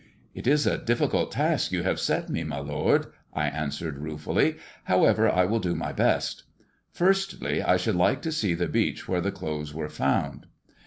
"It is a difficult task you have set me, my lord," I answered ruefully. " However, I will do my best. Firstly I should like to see the beach where the clothes were found."